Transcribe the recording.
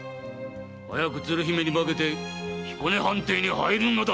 早く鶴姫に化けて彦根藩邸に入るのだ！